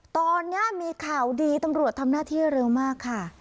ตอนนี้มีข่าวดีตำรวจทำหน้าที่เร็วมากค่ะ